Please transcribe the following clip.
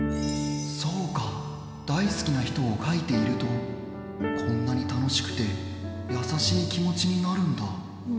そうか、大好きな人を描いていると、こんなに楽しくて、優しい気持ちになるんだ。